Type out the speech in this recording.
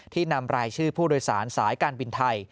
นำรายชื่อผู้โดยสารสายการบินไทย